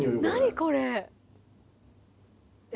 これ。